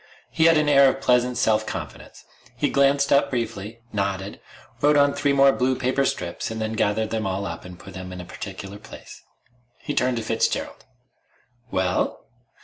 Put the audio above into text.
He had an air of pleasant self confidence. He glanced up briefly, nodded, wrote on three more blue paper strips, and then gathered them all up and put them in a particular place. He turned to Fitzgerald. "Well?"